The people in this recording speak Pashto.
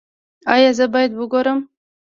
ایا زه باید وګورم؟